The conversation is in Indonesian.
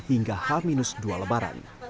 hingga h dua lebaran